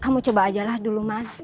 kamu coba aja lah dulu mas